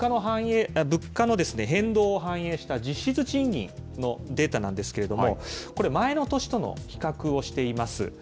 物価の変動を反映した実質賃金のデータなんですけれども、これ、前の年との比較をしています。